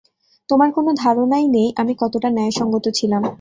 তোমার কোনো ধারণাই নেই, আমি কতটা ন্যায়সঙ্গত ছিলাম।